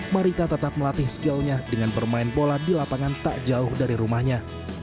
marita tetap melatih skillnya dengan bermain bola di lapangan tak jauh dari rumahnya